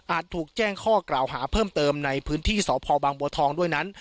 อาจถูกแจ้งข้อกล่าวหาเพิ่มเติมในพื้นที่สพบด้วยนั้น